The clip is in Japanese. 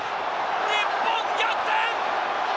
日本、逆転！